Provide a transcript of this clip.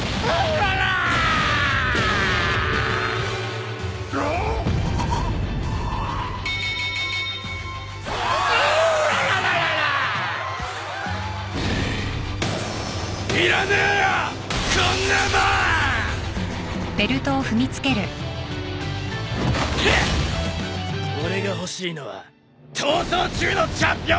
俺が欲しいのは逃走中のチャンピオンベルトだ！